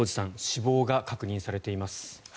死亡が確認されています。